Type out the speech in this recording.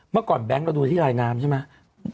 เมื่อก่อนแบงค์เราดูที่ลายน้ำใช่ไหม